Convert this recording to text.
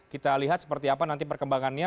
kita lihat seperti apa nanti perkembangannya